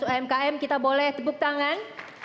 umkm kita boleh tepuk tangan